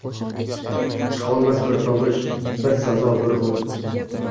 Chiqolmas bir tovush, bir sazo, bir un